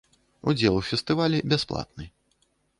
Удзел у фестывалі бясплатны.